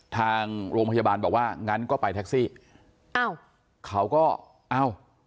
ทางโรงพยาบาลบอกว่างั้นก็ไปแท็กซี่อ้าวเขาก็เอ้า